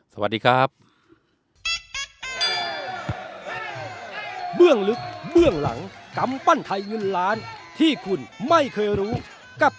สวัสดีครับ